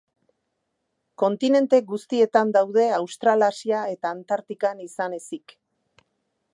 Kontinente guztietan daude Australasia eta Antartikan izan ezik.